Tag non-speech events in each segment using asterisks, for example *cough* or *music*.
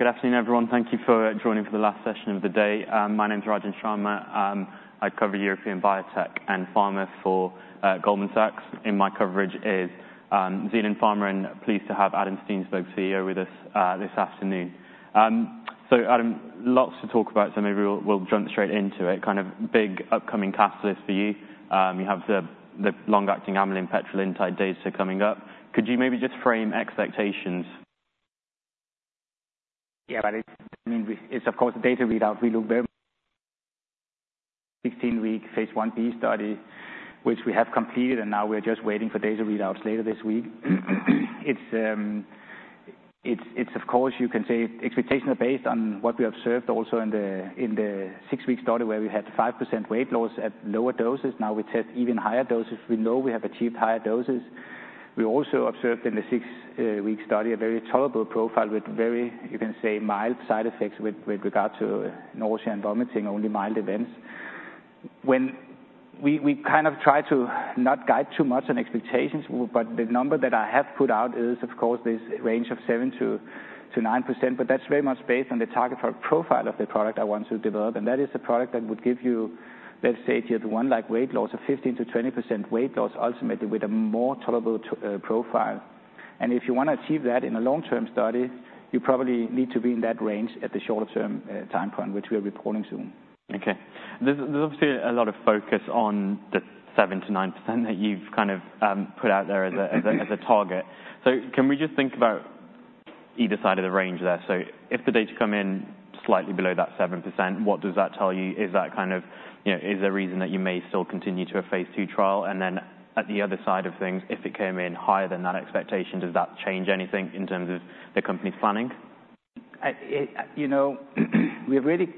Good afternoon, everyone. Thank you for joining for the last session of the day. My name's Rajan Sharma. I cover European biotech and pharma for Goldman Sachs. My coverage is Zealand Pharma, and I'm pleased to have Adam Steensberg, CEO, with us this afternoon. So, Adam, lots to talk about, so maybe we'll jump straight into it. Kind of big upcoming catalyst for you. You have the long-acting amylin petrelintide data coming up. Could you maybe just frame expectations? Yeah, I mean, it's, of course, the data readout. We look *audio distortion* 16-week phase I-B study, which we have completed, and now we're just waiting for data readouts later this week. It's, of course, you can say expectations are based on what we observed also in the 6-week study, where we had 5% weight loss at lower doses. Now we test even higher doses. We know we have achieved higher doses. We also observed in the 6-week study a very tolerable profile with very, you can say, mild side effects with regard to nausea and vomiting, only mild events. We kind of try to not guide too much on expectations, but the number that I have put out is, of course, this range of 7%-9%, but that's very much based on the target profile of the product I want to develop. That is a product that would give you, let's say, Tier one-like weight loss of 15%-20% weight loss, ultimately with a more tolerable profile. If you want to achieve that in a long-term study, you probably need to be in that range at the shorter-term time point, which we are reporting soon. Okay. There's obviously a lot of focus on the 7%-9% that you've kind of put out there as a target. So can we just think about either side of the range there? So if the data come in slightly below that 7%, what does that tell you? Is that kind of, is there a reason that you may still continue to a phase II trial? And then at the other side of things, if it came in higher than that expectation, does that change anything in terms of the company's planning? We have really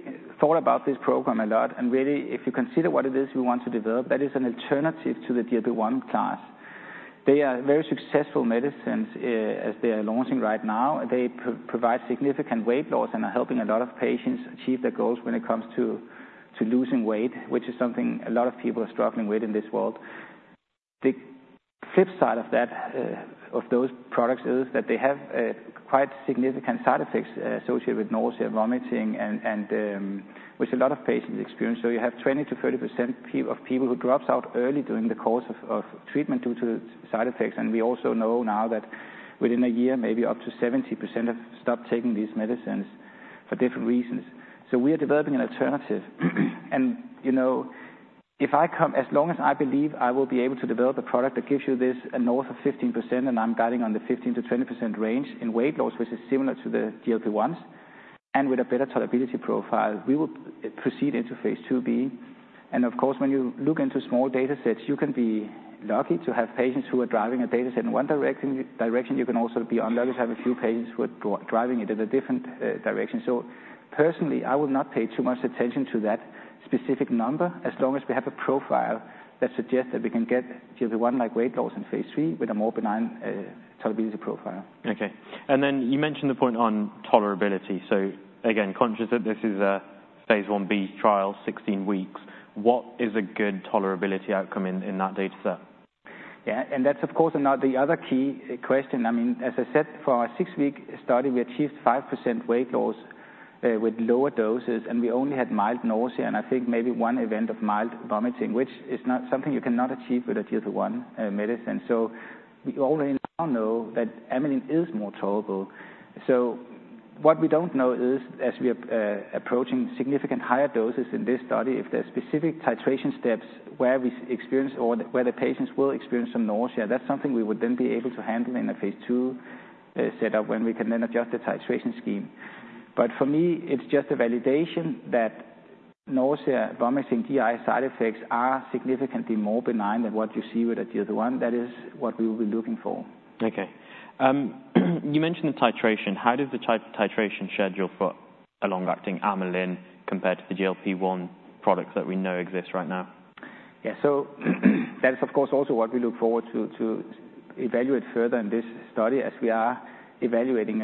thought about this program a lot. Really, if you consider what it is we want to develop, that is an alternative to the Tier 1 class. They are very successful medicines as they are launching right now. They provide significant weight loss and are helping a lot of patients achieve their goals when it comes to losing weight, which is something a lot of people are struggling with in this world. The flip side of those products is that they have quite significant side effects associated with nausea and vomiting, which a lot of patients experience. You have 20%-30% of people who drop out early during the course of treatment due to side effects. We also know now that within a year, maybe up to 70% have stopped taking these medicines for different reasons. We are developing an alternative. And if I come, as long as I believe I will be able to develop a product that gives you this north of 15%, and I'm guiding on the 15%-20% range in weight loss, which is similar to the Tier 1 and with a better tolerability profile, we will proceed into phase II-B. And of course, when you look into small data sets, you can be lucky to have patients who are driving a data set in one direction. You can also be unlucky to have a few patients who are driving it in a different direction. So personally, I will not pay too much attention to that specific number, as long as we have a profile that suggests that we can get Tier one-like weight loss in phase III with a more benign tolerability profile. Okay. Then you mentioned the point on tolerability. So again, conscious that this is a phase I-B trial, 16 weeks, what is a good tolerability outcome in that data set? Yeah. That's, of course, another key question. I mean, as I said, for our 6-week study, we achieved 5% weight loss with lower doses, and we only had mild nausea and I think maybe one event of mild vomiting, which is not something you cannot achieve with a Tier 1 medicine. We already now know that amylin is more tolerable. What we don't know is, as we are approaching significant higher doses in this study, if there are specific titration steps where we experience or where the patients will experience some nausea, that's something we would then be able to handle in a phase II setup when we can then adjust the titration scheme. But for me, it's just a validation that nausea, vomiting, GI side effects are significantly more benign than what you see with a Tier 1. That is what we will be looking for. Okay. You mentioned the titration. How does the titration schedule for a long-acting amylin compare to the GLP-1 products that we know exist right now? Yeah. That is, of course, also what we look forward to evaluate further in this study as we are evaluating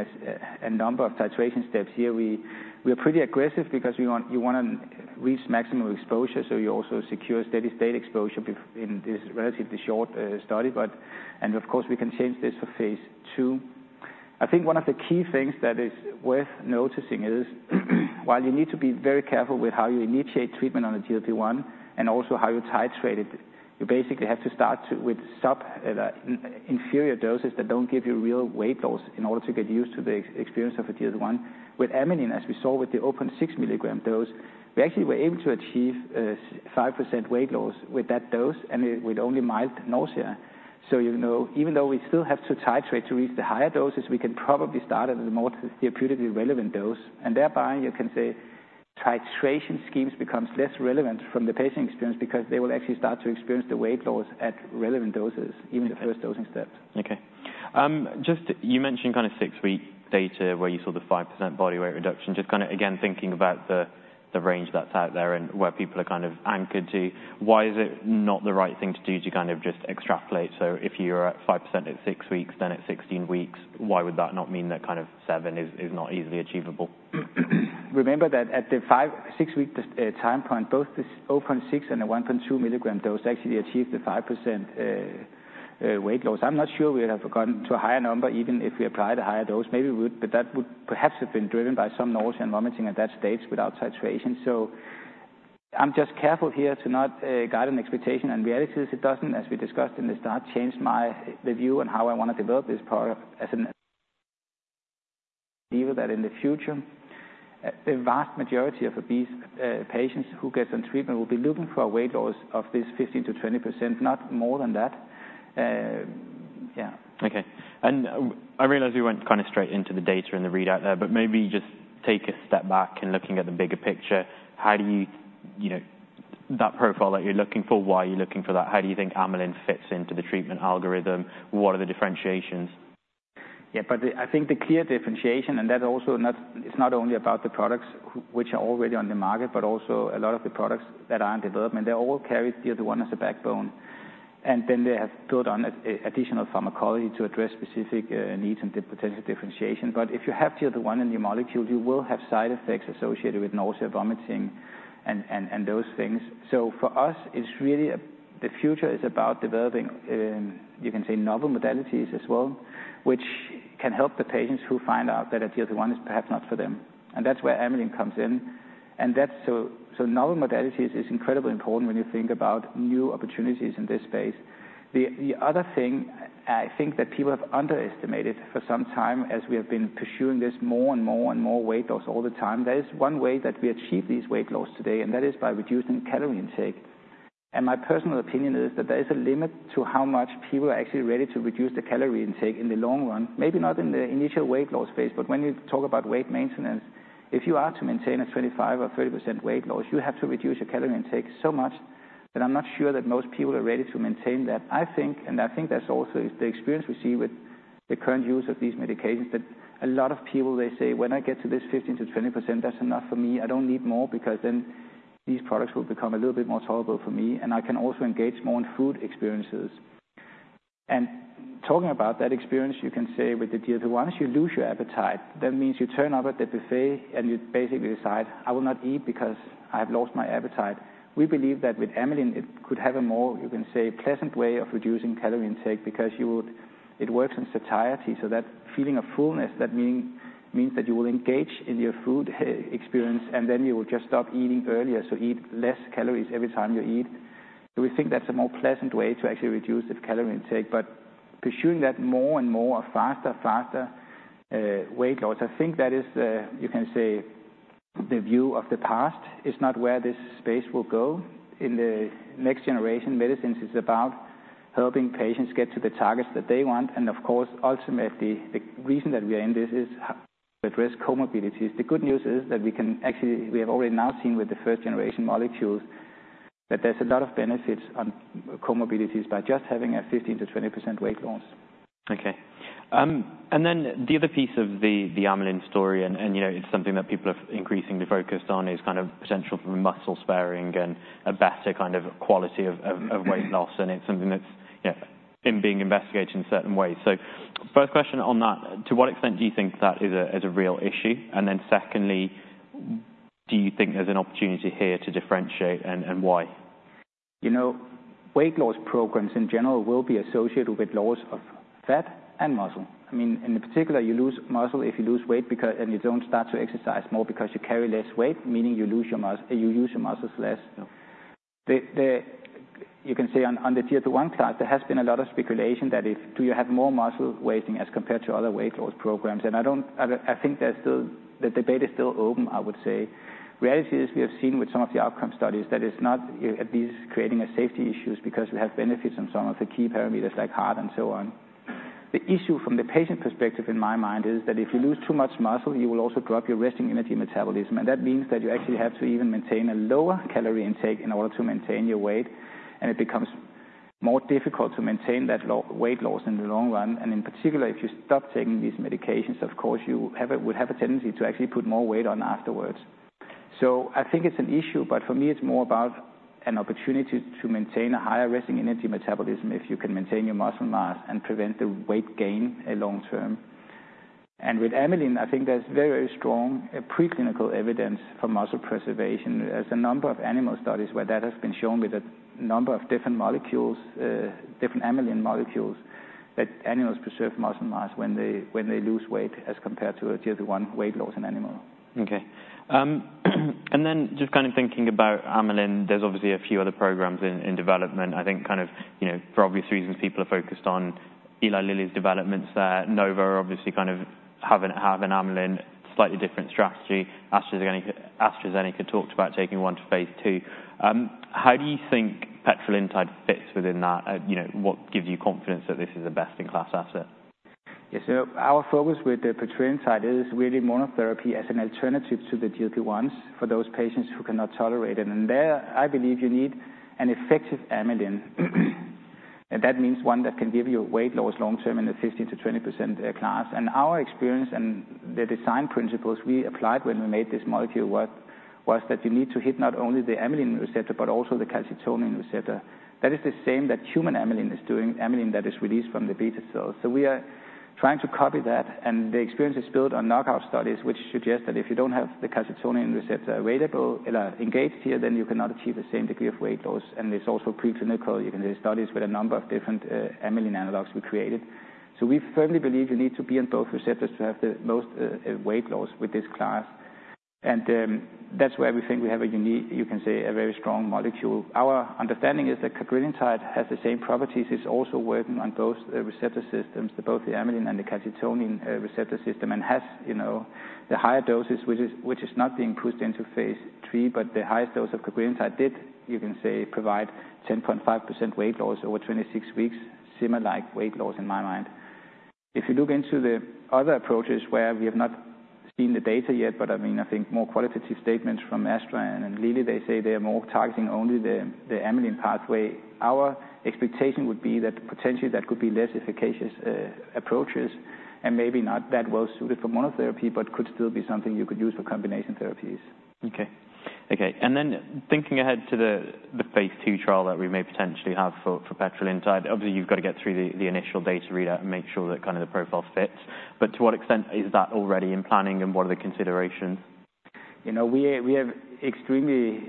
a number of titration steps here. We are pretty aggressive because you want to reach maximum exposure, so you also secure steady-state exposure in this relatively short study. And of course, we can change this for phase II. I think one of the key things that is worth noticing is, while you need to be very careful with how you initiate treatment on a GLP-1 and also how you titrate it, you basically have to start with inferior doses that don't give you real weight loss in order to get used to the experience of a GLP-1. With amylin, as we saw with the 0.6 mg dose, we actually were able to achieve 5% weight loss with that dose and with only mild nausea. Even though we still have to titrate to reach the higher doses, we can probably start at a more therapeutically relevant dose. Thereby, you can say titration schemes become less relevant from the patient experience because they will actually start to experience the weight loss at relevant doses, even the first dosing steps. Okay. Just you mentioned kind of 6-week data where you saw the 5% body weight reduction. Just kind of, again, thinking about the range that's out there and where people are kind of anchored to, why is it not the right thing to do to kind of just extrapolate? So if you're at 5% at 6 weeks, then at 16 weeks, why would that not mean that kind of 7% is not easily achievable? Remember that at the 6-week time point, both this 0.6 mg and the 1.2 mg dose actually achieved the 5% weight loss. I'm not sure we would have gone to a higher number even if we applied a higher dose. Maybe we would, but that would perhaps have been driven by some nausea and vomiting at that stage without titration. So I'm just careful here to not guide an expectation. And reality, as it doesn't, as we discussed in the start, change my view on how I want to develop this product as an enabler that in the future, the vast majority of obese patients who get on treatment will be looking for a weight loss of this 15%-20%, not more than that. Yeah. Okay. And I realize we went kind of straight into the data and the readout there, but maybe just take a step back and looking at the bigger picture. How do you that profile that you're looking for, why are you looking for that? How do you think amylin fits into the treatment algorithm? What are the differentiations? Yeah, but I think the clear differentiation, and that's also not, it's not only about the products which are already on the market, but also a lot of the products that are in development, they all carry GLP-1 as a backbone. And then they have built on additional pharmacology to address specific needs and potential differentiation. But if you have GLP-1 in your molecule, you will have side effects associated with nausea, vomiting, and those things. So for us, it's really the future is about developing, you can say, novel modalities as well, which can help the patients who find out that a GLP-1 is perhaps not for them. And that's where amylin comes in. And so novel modalities is incredibly important when you think about new opportunities in this space. The other thing I think that people have underestimated for some time as we have been pursuing this more and more and more weight loss all the time, there is one way that we achieve these weight loss today, and that is by reducing calorie intake. My personal opinion is that there is a limit to how much people are actually ready to reduce the calorie intake in the long run. Maybe not in the initial weight loss phase, but when you talk about weight maintenance, if you are to maintain a 25% or 30% weight loss, you have to reduce your calorie intake so much that I'm not sure that most people are ready to maintain that. I think, and I think that's also the experience we see with the current use of these medications, that a lot of people, they say, "When I get to this 15%-20%, that's enough for me. I don't need more because then these products will become a little bit more tolerable for me, and I can also engage more in food experiences." And talking about that experience, you can say with the GLP-2, once you lose your appetite, that means you turn over at the buffet and you basically decide, "I will not eat because I have lost my appetite." We believe that with amylin, it could have a more, you can say, pleasant way of reducing calorie intake because it works in satiety. So that feeling of fullness, that means that you will engage in your food experience, and then you will just stop eating earlier. So eat less calories every time you eat. So we think that's a more pleasant way to actually reduce the calorie intake. But pursuing that more and more are faster, faster weight loss. I think that is, you can say, the view of the past is not where this space will go in the next generation. Medicines is about helping patients get to the targets that they want. And of course, ultimately, the reason that we are in this is to address comorbidities. The good news is that we can actually, we have already now seen with the first-generation molecules that there's a lot of benefits on comorbidities by just having a 15%-20% weight loss. Okay. And then the other piece of the amylin story, and it's something that people have increasingly focused on, is kind of potential for muscle sparing and a better kind of quality of weight loss. And it's something that's being investigated in certain ways. So first question on that, to what extent do you think that is a real issue? And then secondly, do you think there's an opportunity here to differentiate and why? Weight loss programs in general will be associated with loss of fat and muscle. I mean, in particular, you lose muscle if you lose weight and you don't start to exercise more because you carry less weight, meaning you lose your muscle, you use your muscles less. You can say on the Tier 1 class, there has been a lot of speculation that if do you have more muscle wasting as compared to other weight loss programs. I think the debate is still open, I would say. Reality is we have seen with some of the outcome studies that it's not at least creating a safety issue because we have benefits on some of the key parameters like heart and so on. The issue from the patient perspective in my mind is that if you lose too much muscle, you will also drop your resting energy metabolism. And that means that you actually have to even maintain a lower calorie intake in order to maintain your weight. And it becomes more difficult to maintain that weight loss in the long run. And in particular, if you stop taking these medications, of course, you would have a tendency to actually put more weight on afterwards. So I think it's an issue, but for me, it's more about an opportunity to maintain a higher resting energy metabolism if you can maintain your muscle mass and prevent the weight gain long term. And with amylin, I think there's very, very strong preclinical evidence for muscle preservation. There's a number of animal studies where that has been shown with a number of different molecules, different amylin molecules, that animals preserve muscle mass when they lose weight as compared to a GLP-1 weight loss in animal. Okay. And then just kind of thinking about amylin, there's obviously a few other programs in development. I think kind of for obvious reasons, people are focused on Eli Lilly's developments there. Novo are obviously kind of have an amylin, slightly different strategy. AstraZeneca talked about taking one to phase II. How do you think petrelintide fits within that? What gives you confidence that this is a best-in-class asset? Yes. Our focus with the petrelintide is really monotherapy as an alternative to the Tier 1s for those patients who cannot tolerate it. And there, I believe you need an effective amylin. And that means one that can give you weight loss long term in the 15%-20% class. And our experience and the design principles we applied when we made this molecule was that you need to hit not only the amylin receptor, but also the calcitonin receptor. That is the same that human amylin is doing, amylin that is released from the beta cells. So we are trying to copy that. And the experience is built on knockout studies, which suggests that if you don't have the calcitonin receptor available or engaged here, then you cannot achieve the same degree of weight loss. And it's also preclinical. You can see studies with a number of different amylin analogs we created. So we firmly believe you need to be on both receptors to have the most weight loss with this class. And that's where we think we have a unique, you can say, a very strong molecule. Our understanding is that petrelintide has the same properties. It's also working on both receptor systems, both the amylin and the calcitonin receptor system, and has the higher doses, which is not being pushed into phase III, but the highest dose of petrelintide did, you can say, provide 10.5% weight loss over 26 weeks, similarly weight loss in my mind. If you look into the other approaches where we have not seen the data yet, but I mean, I think more qualitative statements from Astra and Lilly, they say they are more targeting only the amylin pathway. Our expectation would be that potentially that could be less efficacious approaches and maybe not that well suited for monotherapy, but could still be something you could use for combination therapies. Okay. Okay. And then thinking ahead to the phase II trial that we may potentially have for petrelintide, obviously, you've got to get through the initial data readout and make sure that kind of the profile fits. But to what extent is that already in planning and what are the considerations? We have extremely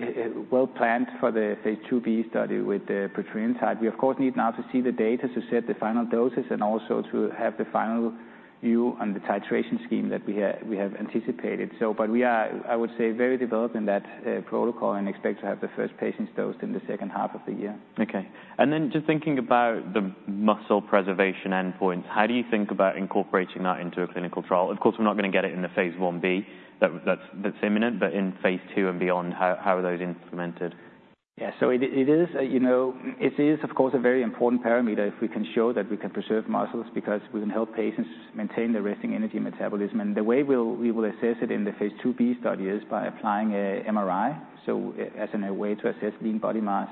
well planned for the phase II-B study with the petrelintide. We, of course, need now to see the data to set the final doses and also to have the final view on the titration scheme that we have anticipated. But we are, I would say, very developed in that protocol and expect to have the first patients dosed in the second half of the year. Okay. And then just thinking about the muscle preservation endpoints, how do you think about incorporating that into a clinical trial? Of course, we're not going to get it in the phase I-B that's imminent, but in phase II and beyond, how are those implemented? Yeah. So it is, of course, a very important parameter if we can show that we can preserve muscles because we can help patients maintain their resting energy metabolism. And the way we will assess it in the phase II-B study is by applying an MRI, so as a way to assess lean body mass.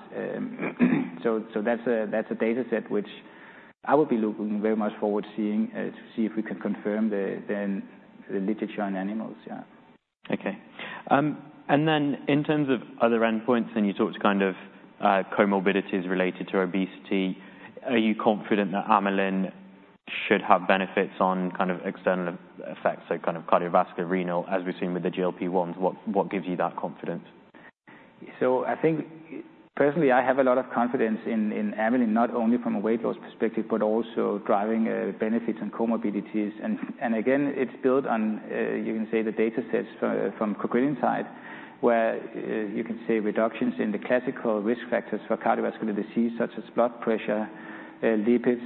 So that's a dataset which I will be looking very much forward to seeing to see if we can confirm the literature on animals. Yeah. Okay. And then in terms of other endpoints, and you talked kind of comorbidities related to obesity, are you confident that amylin should have benefits on kind of external effects, so kind of cardiovascular, renal, as we've seen with the GLP-1s? What gives you that confidence? So I think personally, I have a lot of confidence in amylin, not only from a weight loss perspective, but also driving benefits and comorbidities. And again, it's built on, you can say, the datasets from petrelintide, where you can see reductions in the classical risk factors for cardiovascular disease, such as blood pressure, lipids,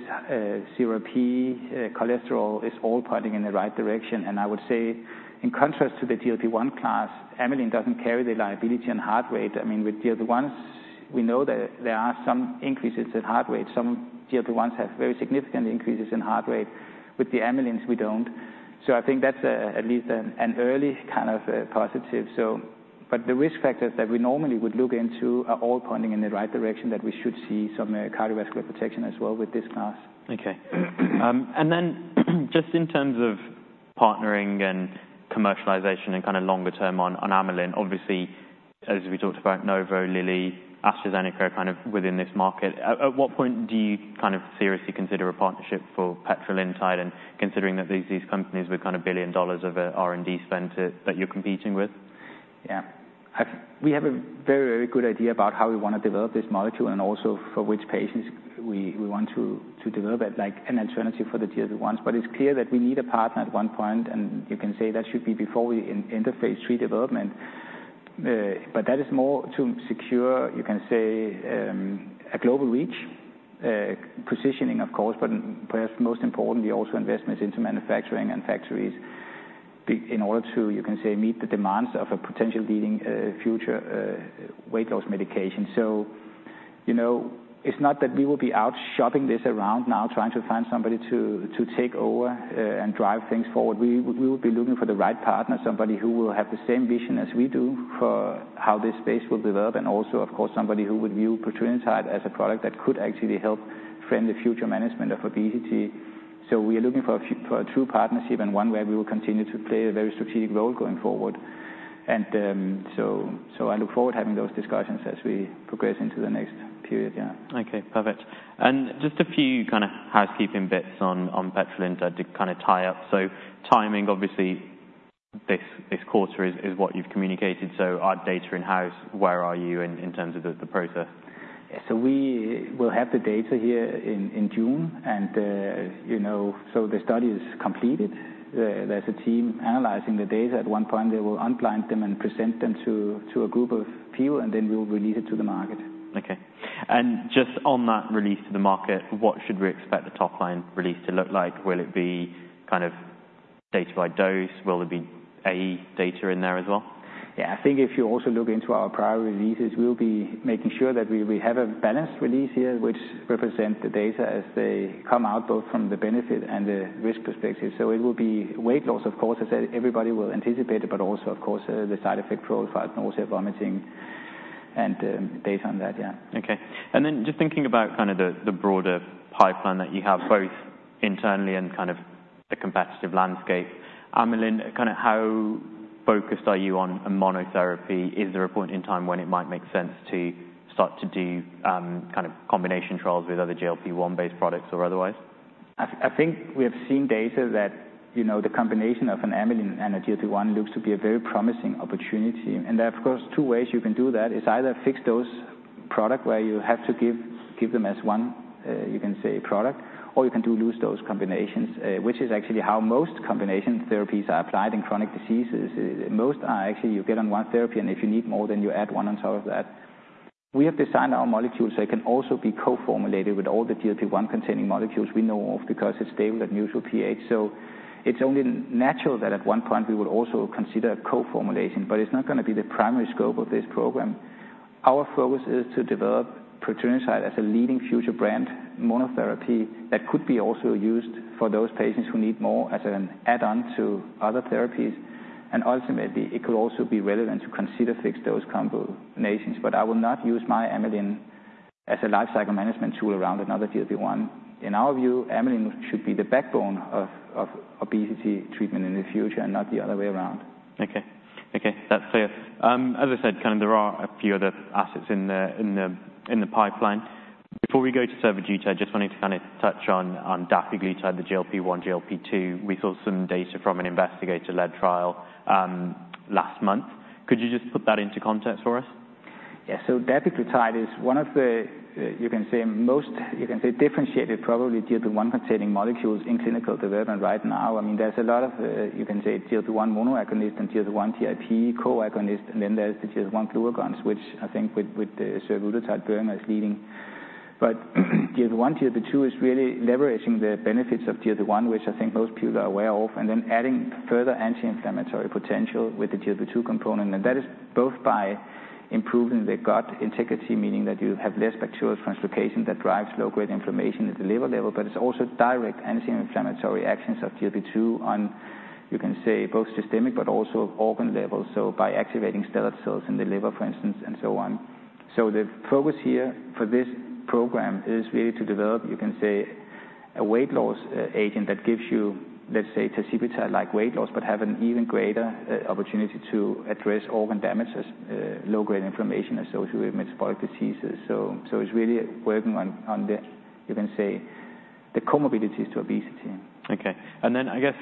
CRP, cholesterol is all pointing in the right direction. And I would say, in contrast to the GLP-1 class, amylin doesn't carry the liability on heart rate. I mean, with GLP-1s, we know that there are some increases in heart rate. Some GLP-1s have very significant increases in heart rate. With the amylin's, we don't. So I think that's at least an early kind of positive. But the risk factors that we normally would look into are all pointing in the right direction that we should see some cardiovascular protection as well with this class. Okay. And then just in terms of partnering and commercialization and kind of longer term on amylin, obviously, as we talked about Novo, Lilly, AstraZeneca are kind of within this market. At what point do you kind of seriously consider a partnership for petrelintide and considering that these companies with kind of billion dollars of R&D spent that you're competing with? Yeah. We have a very, very good idea about how we want to develop this molecule and also for which patients we want to develop it, like an alternative for the GLP-1s. But it's clear that we need a partner at one point, and you can say that should be before we enter phase III development. But that is more to secure, you can say, a global reach, positioning, of course, but perhaps most importantly, also investments into manufacturing and factories in order to, you can say, meet the demands of a potentially leading future weight loss medication. So it's not that we will be out shopping this around now, trying to find somebody to take over and drive things forward. We will be looking for the right partner, somebody who will have the same vision as we do for how this space will develop, and also, of course, somebody who would view petrelintide as a product that could actually help frame the future management of obesity. So we are looking for a true partnership and one where we will continue to play a very strategic role going forward. And so I look forward to having those discussions as we progress into the next period. Yeah. Okay. Perfect. And just a few kind of housekeeping bits on petrelintide to kind of tie up. So timing, obviously, this quarter is what you've communicated. So are data in-house? Where are you in terms of the process? We will have the data here in June. The study is completed. There's a team analyzing the data. At one point, they will unblind them and present them to a group of people, and then we will release it to the market. Okay. Just on that release to the market, what should we expect the top-line release to look like? Will it be kind of data by dose? Will there be AE data in there as well? Yeah. I think if you also look into our prior releases, we'll be making sure that we have a balanced release here, which represents the data as they come out, both from the benefit and the risk perspective. So it will be weight loss, of course, as everybody will anticipate it, but also, of course, the side effect profile, nausea, vomiting, and data on that. Yeah. Okay. And then just thinking about kind of the broader pipeline that you have, both internally and kind of the competitive landscape, amylin, kind of how focused are you on a monotherapy? Is there a point in time when it might make sense to start to do kind of combination trials with other GLP-1-based products or otherwise? I think we have seen data that the combination of an amylin and a GLP-1 looks to be a very promising opportunity. And there are, of course, two ways you can do that. It's either fixed dose product where you have to give them as one, you can say, product, or you can do loose dose combinations, which is actually how most combination therapies are applied in chronic diseases. Most are actually you get on one therapy, and if you need more, then you add one on top of that. We have designed our molecules, so it can also be co-formulated with all the GLP-1-containing molecules we know of because it's stable at neutral pH. So it's only natural that at one point we would also consider co-formulation, but it's not going to be the primary scope of this program. Our focus is to develop petrelintide as a leading future brand monotherapy that could be also used for those patients who need more as an add-on to other therapies. Ultimately, it could also be relevant to consider fixed dose combinations. I will not use my amylin as a lifecycle management tool around another GLP-1. In our view, amylin should be the backbone of obesity treatment in the future and not the other way around. Okay. Okay. That's clear. As I said, kind of there are a few other assets in the pipeline. Before we go to survodutide, I just wanted to kind of touch on dapiglutide, the GLP-1, GLP-2. We saw some data from an investigator-led trial last month. Could you just put that into context for us? Yeah. So dapiglutide is one of the, you can say, most, you can say, differentiated probably GLP-1-containing molecules in clinical development right now. I mean, there's a lot of, you can say, GLP-1 monoagonist and GLP-1/GIP co-agonist. And then there's the GLP-1 glucagons, which I think with survodutide, Boehringer Ingelheim as leading. But GLP-1, GLP-2 is really leveraging the benefits of GLP-1, which I think most people are aware of, and then adding further anti-inflammatory potential with the GLP-2 component. And that is both by improving the gut integrity, meaning that you have less bacterial translocation that drives low-grade inflammation at the liver level, but it's also direct anti-inflammatory actions of GLP-2 on, you can say, both systemic, but also organ levels. So by activating stellate cells in the liver, for instance, and so on. So the focus here for this program is really to develop, you can say, a weight loss agent that gives you, let's say, tirzepatide like weight loss, but have an even greater opportunity to address organ damages, low-grade inflammation associated with metabolic diseases. So it's really working on the, you can say, the comorbidities to obesity. Okay. And then I guess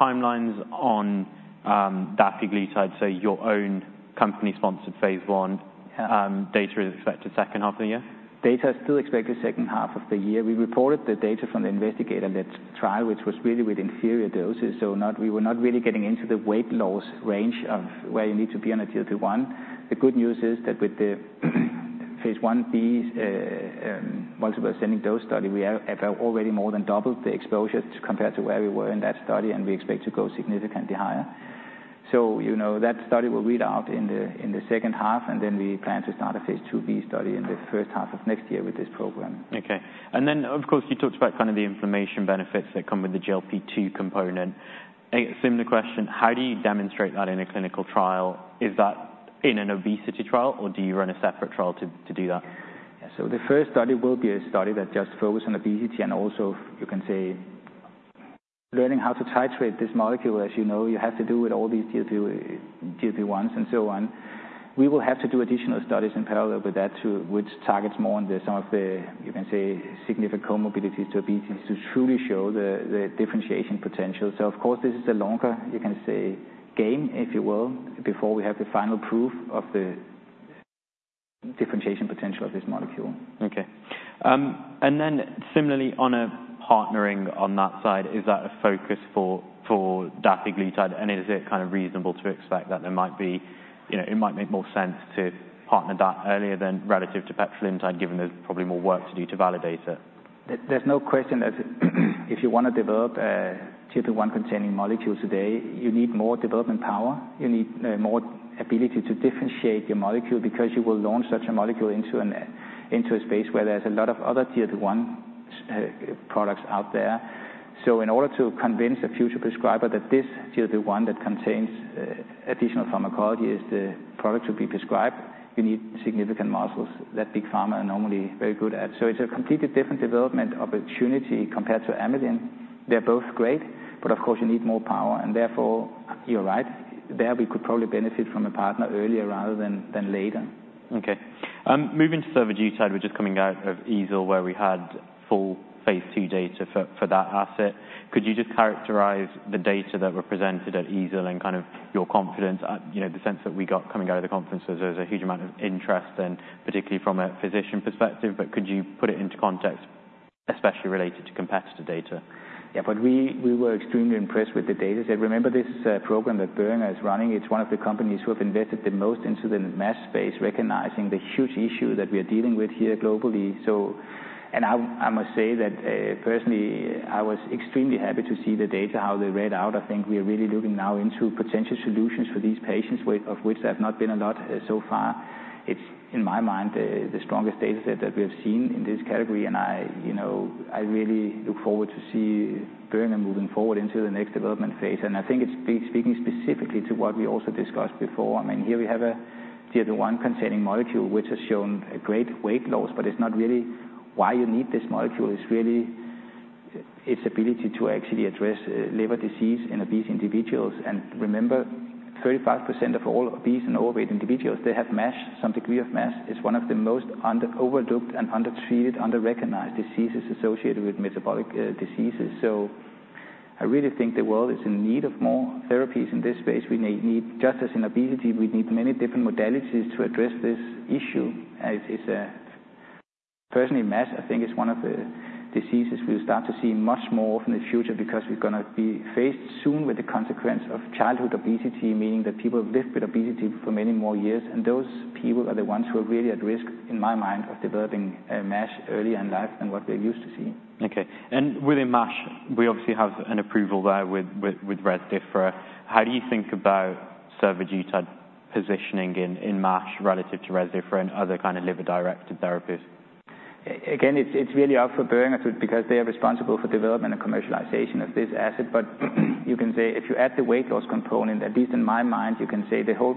timelines on dapiglutide, so your own company-sponsored phase I data is expected second half of the year? Data is still expected second half of the year. We reported the data from the investigator-led trial, which was really with inferior doses. So we were not really getting into the weight loss range of where you need to be on a GLP-1. The good news is that with the phase I-B multiple ascending dose study, we have already more than doubled the exposure compared to where we were in that study, and we expect to go significantly higher. So that study will read out in the second half, and then we plan to start a phase II-B study in the first half of next year with this program. Okay. And then, of course, you talked about kind of the inflammation benefits that come with the GLP-2 component. Similar question, how do you demonstrate that in a clinical trial? Is that in an obesity trial, or do you run a separate trial to do that? Yeah. So the first study will be a study that just focuses on obesity and also, you can say, learning how to titrate this molecule, as you know, you have to do with all these GLP-1s and so on. We will have to do additional studies in parallel with that, which targets more on some of the, you can say, significant comorbidities to obesity to truly show the differentiation potential. So, of course, this is a longer, you can say, game, if you will, before we have the final proof of the differentiation potential of this molecule. Okay. And then similarly, on partnering on that side, is that a focus for Dapiglutide? And is it kind of reasonable to expect that there might be, it might make more sense to partner that earlier than relative to petrelintide, given there's probably more work to do to validate it? There's no question that if you want to develop a GLP-1-containing molecule today, you need more development power. You need more ability to differentiate your molecule because you will launch such a molecule into a space where there's a lot of other GLP-1 products out there. So in order to convince a future prescriber that this GLP-1 that contains additional pharmacology is the product to be prescribed, you need significant muscles that big pharma are normally very good at. So it's a completely different development opportunity compared to amylin. They're both great, but of course, you need more power. And therefore, you're right, there we could probably benefit from a partner earlier rather than later. Okay. Moving to survodutide, we're just coming out of EASL, where we had full phase II data for that asset. Could you just characterize the data that were presented at EASL and kind of your confidence, the sense that we got coming out of the conference was there was a huge amount of interest, and particularly from a physician perspective, but could you put it into context, especially related to competitor data? Yeah. But we were extremely impressed with the data. Remember this program that Boehringer Ingelheim is running? It's one of the companies who have invested the most into the MASH space, recognizing the huge issue that we are dealing with here globally. And I must say that personally, I was extremely happy to see the data, how they read out. I think we are really looking now into potential solutions for these patients, of which there have not been a lot so far. It's, in my mind, the strongest dataset that we have seen in this category. And I really look forward to seeing Boehringer Ingelheim moving forward into the next development phase. And I think it's speaking specifically to what we also discussed before. I mean, here we have a GLP-1-containing molecule, which has shown a great weight loss, but it's not really why you need this molecule. It's really its ability to actually address liver disease in obese individuals. Remember, 35% of all obese and overweight individuals, they have MASH, some degree of MASH. It's one of the most overlooked and undertreated, underrecognized diseases associated with metabolic diseases. I really think the world is in need of more therapies in this space. We need, just as in obesity, we need many different modalities to address this issue. Personally, MASH, I think, is one of the diseases we'll start to see much more of in the future because we're going to be faced soon with the consequence of childhood obesity, meaning that people have lived with obesity for many more years. Those people are the ones who are really at risk, in my mind, of developing MASH earlier in life than what we're used to seeing. Okay. Within MASH, we obviously have an approval there with Rezdiffra. How do you think about survodutide positioning in MASH relative to Rezdiffra and other kind of liver-directed therapies? Again, it's really up for Boehringer Ingelheim because they are responsible for development and commercialization of this asset. But you can say, if you add the weight loss component, at least in my mind, you can say the whole,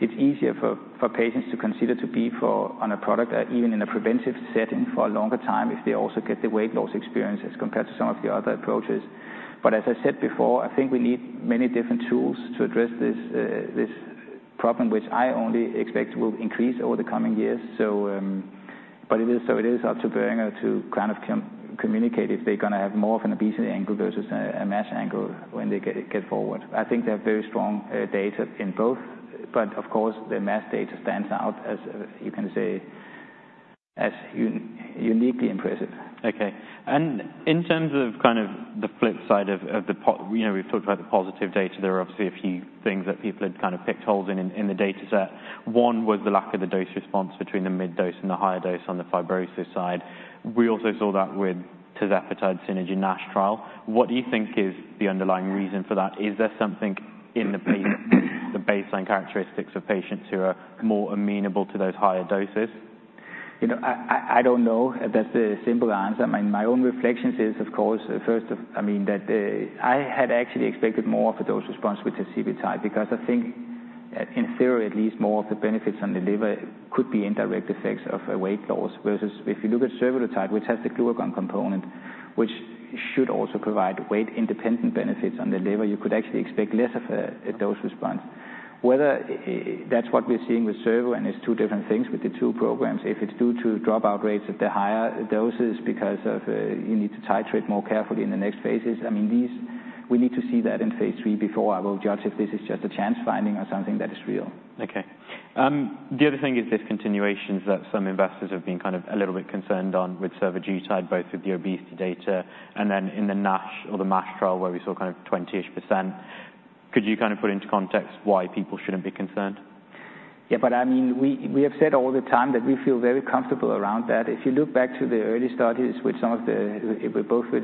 it's easier for patients to consider to be on a product, even in a preventive setting, for a longer time if they also get the weight loss experience as compared to some of the other approaches. But as I said before, I think we need many different tools to address this problem, which I only expect will increase over the coming years. But it is up to Boehringer Ingelheim to kind of communicate if they're going to have more of an obesity angle versus a MASH angle when they go forward. I think they have very strong data in both, but of course, the MASH data stands out, as you can say, as uniquely impressive. Okay. In terms of kind of the flip side of the, we've talked about the positive data. There are obviously a few things that people had kind of picked holes in in the dataset. One was the lack of the dose response between the mid-dose and the higher dose on the fibrosis side. We also saw that with tirzepatide SYNERGY-NASH trial. What do you think is the underlying reason for that? Is there something in the baseline characteristics of patients who are more amenable to those higher doses? I don't know. That's the simple answer. My own reflections is, of course, first, I mean, that I had actually expected more of a dose response with tirzepatide because I think, in theory, at least more of the benefits on the liver could be indirect effects of weight loss versus if you look at survodutide, which has the glucagon component, which should also provide weight-independent benefits on the liver, you could actually expect less of a dose response. Whether that's what we're seeing with survodutide and it's two different things with the two programs. If it's due to dropout rates at the higher doses because of you need to titrate more carefully in the next phases, I mean, we need to see that in phase III before I will judge if this is just a chance finding or something that is real. Okay. The other thing is discontinuations that some investors have been kind of a little bit concerned on with survodutide, both with the obesity data and then in the NASH or the MASH trial where we saw kind of 20-ish%. Could you kind of put into context why people shouldn't be concerned? Yeah. But I mean, we have said all the time that we feel very comfortable around that. If you look back to the early studies with some of the, both with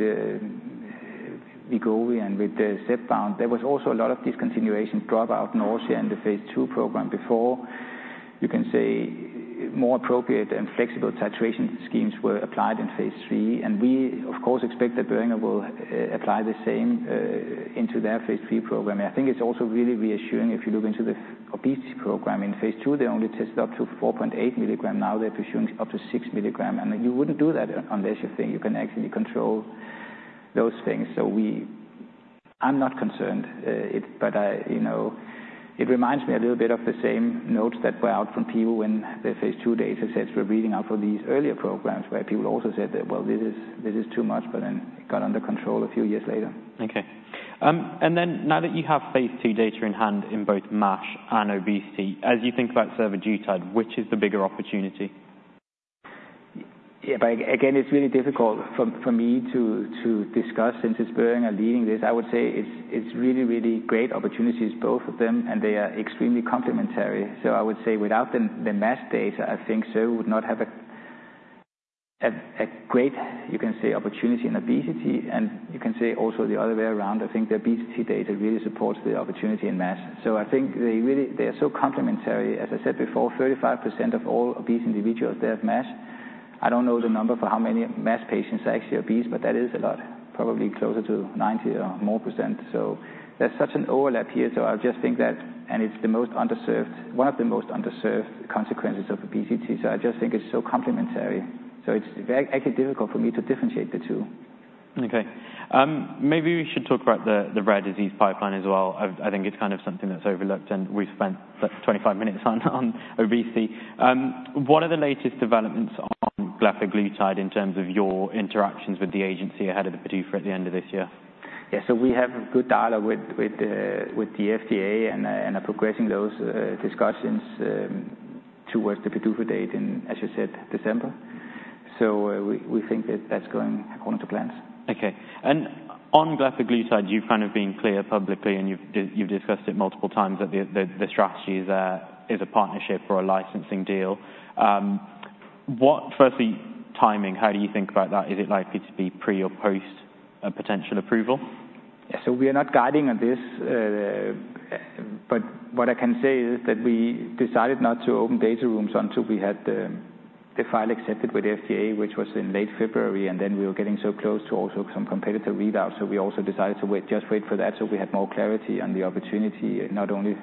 Wegovy and with Zepbound, there was also a lot of discontinuation, dropout, nausea in the phase II program before. You can say more appropriate and flexible titration schemes were applied in phase III. And we, of course, expect that Boehringer Ingelheim will apply the same into their phase III program. I think it's also really reassuring if you look into the obesity program in phase II, they only tested up to 4.8 mg. Now they're pursuing up to 6 mg. And you wouldn't do that unless you think you can actually control those things. So I'm not concerned, but it reminds me a little bit of the same notes that were out from people when the phase II datasets were reading out for these earlier programs where people also said that, well, this is too much, but then it got under control a few years later. Okay. Now that you have phase II data in hand in both MASH and obesity, as you think about survodutide, which is the bigger opportunity? Yeah. But again, it's really difficult for me to discuss since it's Boehringer Ingelheim leading this. I would say it's really, really great opportunities, both of them, and they are extremely complementary. So I would say without the MASH data, I think survodutide would not have a great, you can say, opportunity in obesity. And you can say also the other way around. I think the obesity data really supports the opportunity in MASH. So I think they are so complementary. As I said before, 35% of all obese individuals, they have MASH. I don't know the number for how many MASH patients are actually obese, but that is a lot, probably closer to 90% or more. So there's such an overlap here. So I just think that, and it's the most underserved, one of the most underserved consequences of obesity. So I just think it's so complementary. It's actually difficult for me to differentiate the two. Okay. Maybe we should talk about the rare disease pipeline as well. I think it's kind of something that's overlooked, and we spent 25 minutes on obesity. What are the latest developments on glepaglutide in terms of your interactions with the agency ahead of the PDUFA at the end of this year? Yeah. We have good dialogue with the FDA and are progressing those discussions towards the PDUFA date in, as you said, December. We think that that's going according to plans. Okay. On glepaglutide, you've kind of been clear publicly, and you've discussed it multiple times that the strategy is a partnership or a licensing deal. What, firstly, timing, how do you think about that? Is it likely to be pre or post a potential approval? Yeah. So we are not guiding on this, but what I can say is that we decided not to open data rooms until we had the file accepted with the FDA, which was in late February, and then we were getting so close to also some competitor readouts. So we also decided to just wait for that so we had more clarity on the opportunity, not only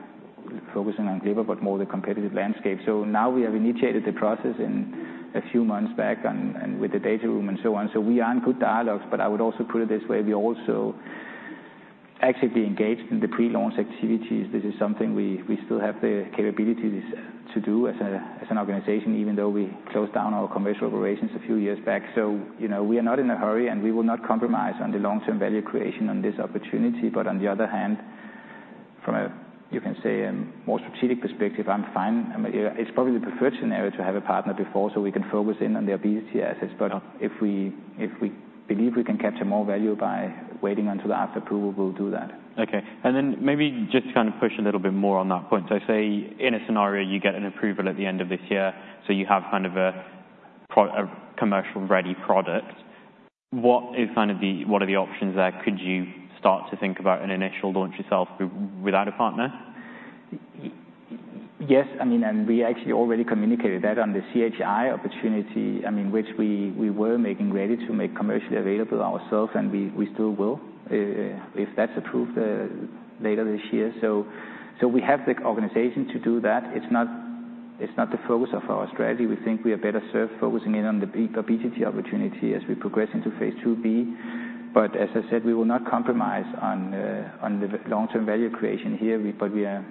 focusing on liver, but more the competitive landscape. So now we have initiated the process a few months back and with the data room and so on. So we are in good dialogues, but I would also put it this way. We also actively engaged in the pre-launch activities. This is something we still have the capabilities to do as an organization, even though we closed down our commercial operations a few years back. So we are not in a hurry, and we will not compromise on the long-term value creation on this opportunity. But on the other hand, from a, you can say, more strategic perspective, I'm fine. It's probably the preferred scenario to have a partner before so we can focus in on the obesity assets. But if we believe we can capture more value by waiting until after approval, we'll do that. Okay. And then maybe just to kind of push a little bit more on that point, so say in a scenario you get an approval at the end of this year, so you have kind of a commercial-ready product, what are the options there? Could you start to think about an initial launch yourself without a partner? Yes. I mean, and we actually already communicated that on the CHI opportunity, I mean, which we were making ready to make commercially available ourselves, and we still will if that's approved later this year. So we have the organization to do that. It's not the focus of our strategy. We think we are better served focusing in on the obesity opportunity as we progress into phase II-B. But as I said, we will not compromise on the long-term value creation here, but we are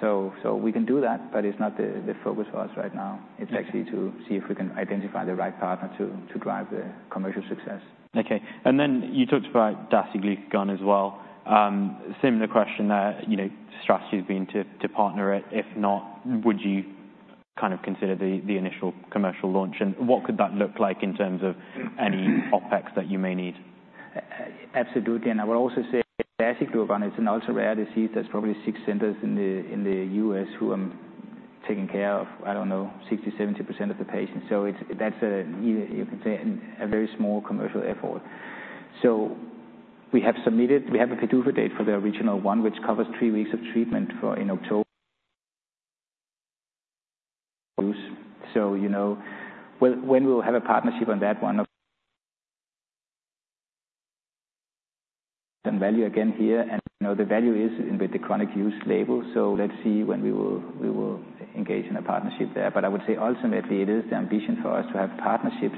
so we can do that, but it's not the focus for us right now. It's actually to see if we can identify the right partner to drive the commercial success. Okay. Then you talked about dasiglucagon as well. Similar question there. Strategy has been to partner it. If not, would you kind of consider the initial commercial launch? And what could that look like in terms of any OpEx that you may need? Absolutely. And I will also say dasiglucagon is an ultra-rare disease that's probably six centers in the U.S. who are taking care of, I don't know, 60%-70% of the patients. So that's a very small commercial effort. So we have submitted, we have a PDUFA date for the original one, which covers three weeks of treatment in October. So when we'll have a partnership on that one. And value again here. And the value is with the chronic use label. So let's see when we will engage in a partnership there. But I would say ultimately, it is the ambition for us to have partnerships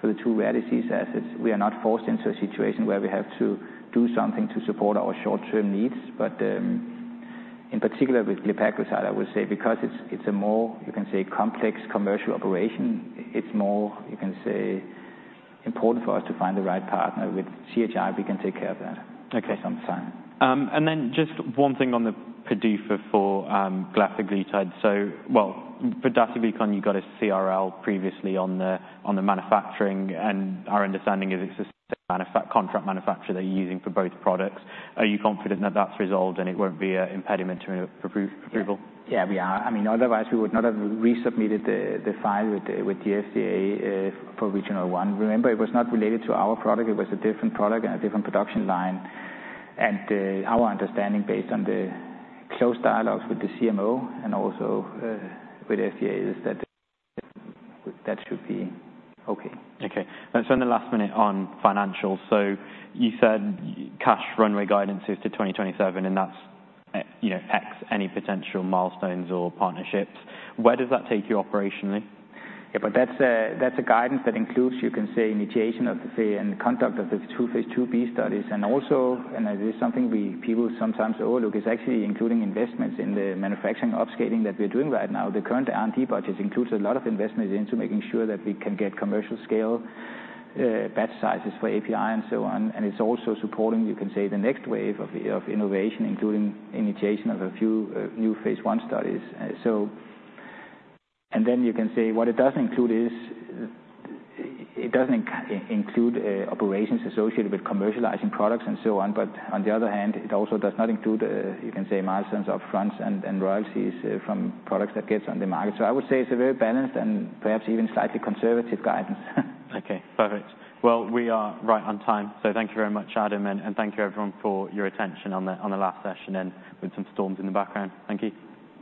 for the two rare disease assets. We are not forced into a situation where we have to do something to support our short-term needs. But in particular with Glepaglutide, I would say, because it's a more, you can say, complex commercial operation, it's more, you can say, important for us to find the right partner. With CHI, we can take care of that for some time. And then just one thing on the PDUFA for Glepaglutide. Well, for dasiglucagon, you got a CRL previously on the manufacturing, and our understanding is it's a contract manufacturer that you're using for both products. Are you confident that that's resolved and it won't be an impediment to an approval? Yeah, we are. I mean, otherwise, we would not have resubmitted the filing with the FDA for dasiglucagon. Remember, it was not related to our product. It was a different product and a different production line. And our understanding based on the close dialogues with the CMO and also with FDA is that that should be okay. Okay. So on the last minute on financials, so you said cash runway guidance is to 2027, and that's X, any potential milestones or partnerships. Where does that take you operationally? Yeah. But that's a guidance that includes, you can say, initiation of the contract of the two phase II-B studies. And also, and this is something people sometimes overlook, is actually including investments in the manufacturing upskaling that we're doing right now. The current R&D budget includes a lot of investments into making sure that we can get commercial scale batch sizes for API and so on. And it's also supporting, you can say, the next wave of innovation, including initiation of a few new phase I studies. And then you can say what it does include is it doesn't include operations associated with commercializing products and so on. But on the other hand, it also does not include, you can say, milestones upfronts and royalties from products that get on the market. So I would say it's a very balanced and perhaps even slightly conservative guidance. Okay. Perfect. Well, we are right on time. So thank you very much, Adam, and thank you everyone for your attention on the last session and with some storms in the background. Thank you.